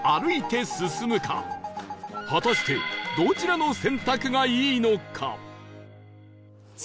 果たしてどちらの選択がいいのか？